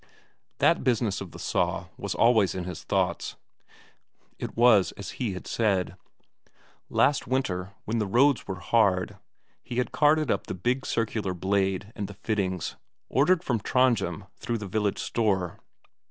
That business of the saw was always in his thoughts; it was as he had said. Last winter, when the roads were hard, he had carted up the big circular blade and the fittings, ordered from Trondhjem through the village store.